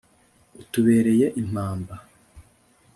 utubereye impamba